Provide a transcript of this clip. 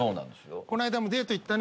こないだもデート行ったね。